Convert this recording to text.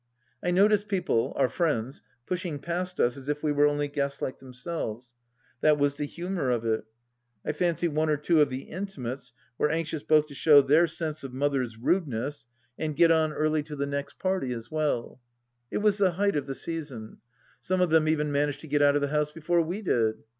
I noticed people, our friends, pushing past us as if we were only guests like themselves. That was the humour of it. I fancy one or two of the intimates were anxious both to show their sense of Mother's rudeness and get on early to the THE LAST DITCH 49 next party, as well. It was the height of the season. Some of them even managed to get out of the house before we did.